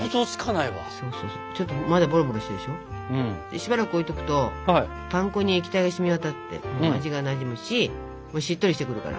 しばらく置いとくとパン粉に液体が染み渡って味がなじむししっとりしてくるから。